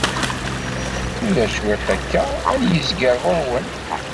Tura cwiṭ akka ad n-yezger ɣur-wen.